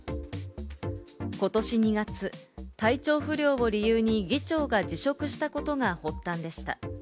今年２月、体調不良を理由に議長が辞職したことが発端でした。